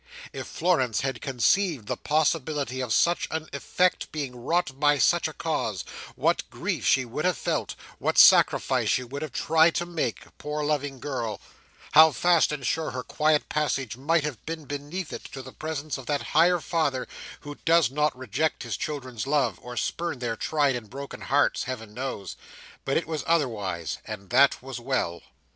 If Florence had conceived the possibility of such an effect being wrought by such a cause, what grief she would have felt, what sacrifice she would have tried to make, poor loving girl, how fast and sure her quiet passage might have been beneath it to the presence of that higher Father who does not reject his children's love, or spurn their tried and broken hearts, Heaven knows! But it was otherwise, and that was well.